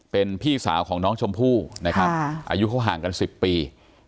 เป็นพี่สาวของน้องชมพู่นะครับอายุเขาห่างกัน๑๐ปี